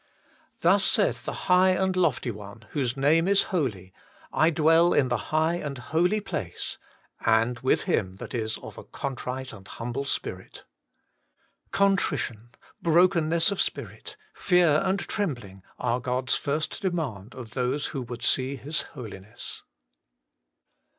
' Thus saith the High and Lofty One, whose name is holy, I dwell in the High and Holy Place, and with him that is of a contrite and humble spirit.' Con trition, brokenness of spirit, fear and trembling are God's first demand of those who would see His Holiness.